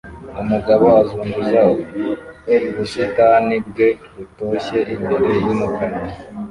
Umugabo azunguza ubusitani bwe butoshye imbere yumukara